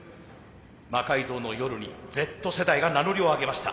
「魔改造の夜」にＺ世代が名乗りをあげました。